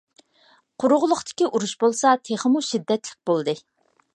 قۇرۇقلۇقتىكى ئۇرۇش بولسا تېخىمۇ شىددەتلىك بولدى.